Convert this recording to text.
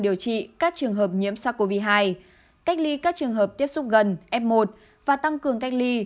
điều trị các trường hợp nhiễm sars cov hai cách ly các trường hợp tiếp xúc gần f một và tăng cường cách ly